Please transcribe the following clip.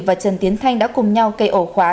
và trần tiến thanh đã cùng nhau cây ổ khóa